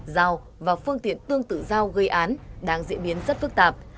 dao và phương tiện tương tự dao gây án đang diễn biến rất phức tạp